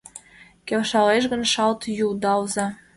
Келшалеш гын, шалт йӱлдалза